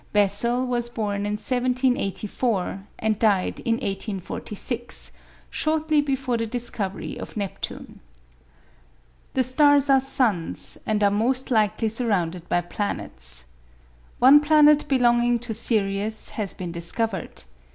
Bessel was born in 1784, and died in 1846, shortly before the discovery of Neptune. The stars are suns, and are most likely surrounded by planets. One planet belonging to Sirius has been discovered.